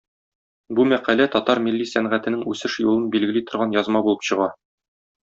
Бу мәкалә татар милли сәнгатенең үсеш юлын билгели торган язма булып чыга.